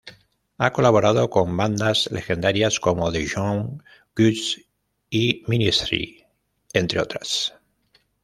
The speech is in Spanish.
Ha colaborado con bandas legendarias como The Young Gods y Ministry entre otras.